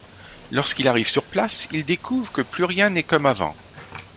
Lorsqu'il arrive sur place, il découvre que plus rien n'est comme avant.